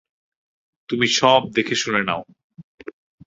তুমি সব দেখে শুনে নাও।